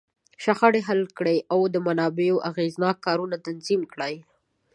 شخړې حل کړي، او د منابعو اغېزناک کارونه تنظیم کړي.